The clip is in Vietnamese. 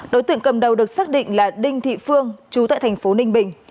đối tượng cầm đầu được xác định là đinh thị phương chú tại thành phố ninh bình